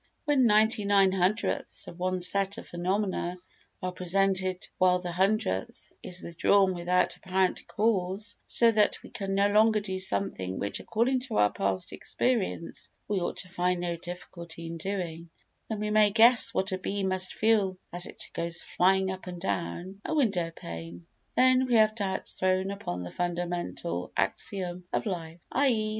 When ninety nine hundredths of one set of phenomena are presented while the hundredth is withdrawn without apparent cause, so that we can no longer do something which according to our past experience we ought to find no difficulty in doing, then we may guess what a bee must feel as it goes flying up and down a window pane. Then we have doubts thrown upon the fundamental axiom of life, i.e.